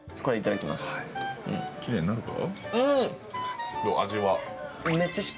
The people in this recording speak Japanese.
きれいになるか？